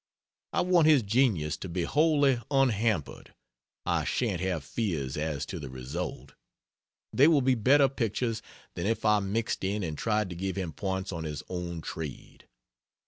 I want his genius to be wholly unhampered, I shan't have fears as to the result. They will be better pictures than if I mixed in and tried to give him points on his own trade.